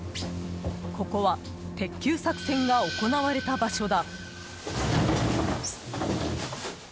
ここは鉄球作戦が行われた場所だ。